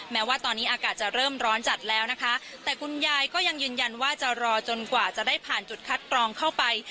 แม้ว่าตอนนี้อากาศจะเริ่มร้อนจัดแล้วนะคะแต่คุณยายก็ยังยืนยันว่าจะรอจนกว่าจะได้ผ่านจุดคัดกรองเข้าไป